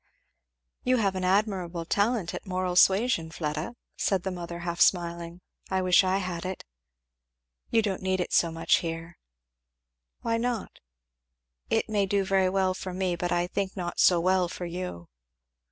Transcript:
"You have an admirable talent at moral suasion, Fleda," said the mother half smiling; "I wish I had it." "You don't need it so much here." "Why not?" "It may do very well for me, but I think not so well for you."